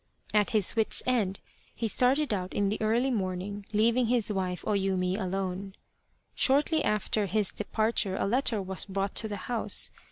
At his wit's end he started out in the early morning, leaving his wife, O Yumi, alone. Shortly after his departure a letter was brought to the house.